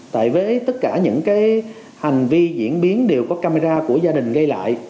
tại với tất cả những cái hành vi diễn biến đều có camera của gia đình gây lại